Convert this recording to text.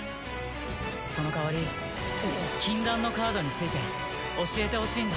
その代わり禁断のカードについて教えてほしいんだ。